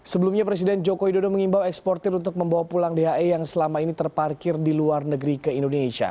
sebelumnya presiden joko widodo mengimbau eksportir untuk membawa pulang dhe yang selama ini terparkir di luar negeri ke indonesia